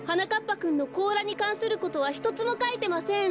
ぱくんのこうらにかんすることはひとつもかいてません。